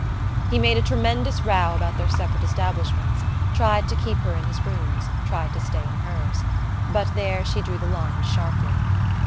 He made a tremendous row about their separate establishments, tried to keep her in his rooms, tried to stay in hers. But there she drew the line sharply.